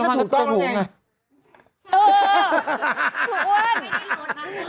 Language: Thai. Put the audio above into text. เออผู้ก้น